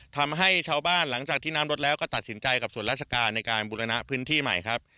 ทำให้ชาวบ้านหลังจากที่น้ำลดแล้วก็ตัดสินใจกับส่วนราชการในการบุรณะพื้นที่ใหม่ครับ